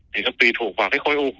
thì nó tùy thuộc vào cái khối u